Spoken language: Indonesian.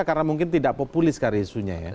karena mungkin tidak populis sekali isunya ya